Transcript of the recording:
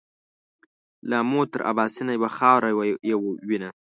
له آمو تر اباسینه یوه خاوره یو وینه